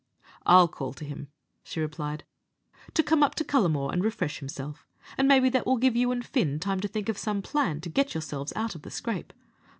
"I'll call to him," she replied, "to come up to Cullamore and refresh himself, and maybe that will give you and Fin time to think of some plan to get yourselves out of the scrape.